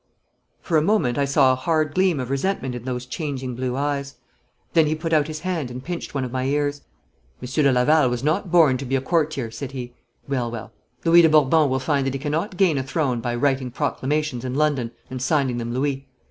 For a moment I saw a hard gleam of resentment in those changing blue eyes. Then he put out his hand and pinched one of my ears. 'Monsieur de Laval was not born to be a courtier,' said he. 'Well, well, Louis de Bourbon will find that he cannot gain a throne by writing proclamations in London and signing them Louis.